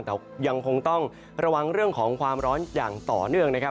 แต่ยังคงต้องระวังเรื่องของความร้อนอย่างต่อเนื่องนะครับ